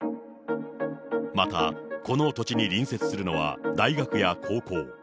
また、この土地に隣接するのは大学や高校。